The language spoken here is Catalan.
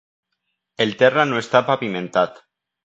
El terra no està pavimentat.